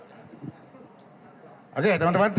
terima kasih assalamualaikum warahmatullahi wabarakatuh